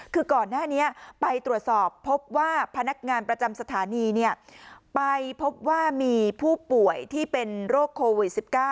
คือก่อนหน้านี้ไปตรวจสอบพบว่าพนักงานประจำสถานีไปพบว่ามีผู้ป่วยที่เป็นโรคโควิด๑๙